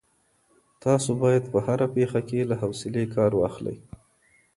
تاسو باید په هره پېښه کي له حوصلې کار واخلئ.